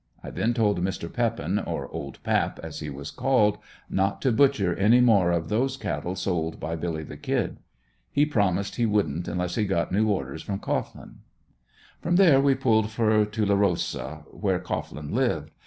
I then told Mr. Peppen, or "Old Pap" as he was called, not to butcher any more of those cattle sold by "Billy the Kid." He promised he wouldn't unless he got new orders from Cohglin. From there we pulled for Tulerosa where Cohglin lived.